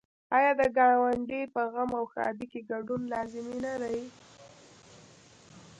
آیا د ګاونډي په غم او ښادۍ کې ګډون لازمي نه دی؟